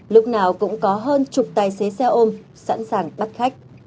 lúc nào cũng có hơn chục tài xế xe ôm sẵn sàng bắt khách